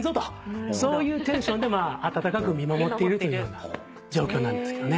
そういうテンションで温かく見守ってるというような状況なんですけどね。